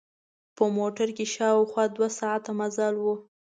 په موټر کې شاوخوا دوه ساعته مزل و.